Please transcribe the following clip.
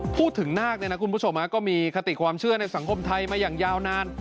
พูดถึงนาคก็มีคติความเชื่อในสังคมไทยมาอย่างยาวนาน